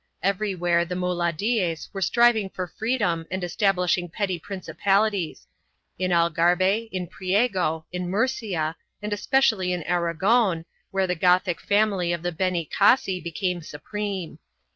Everywhere the Muladies were striving for freedom and establishing petty principalities — in Algarbe, in Priego, in Murcia, and especially in Aragon, where the Gothic family of the Beni Cassi became supreme.